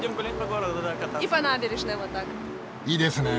いいですねえ！